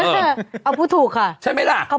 เป็นการกระตุ้นการไหลเวียนของเลือด